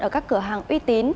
ở các cửa hàng uy tín